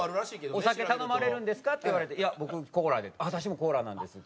「お酒頼まれるんですか？」って言われて「いや僕コーラで」